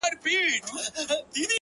زما غنمرنگه _ زما لونگه ځوانې وغوړېده _